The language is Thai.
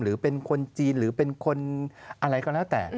หรือเป็นคนจีนหรือเป็นคนอะไรก็แล้วแต่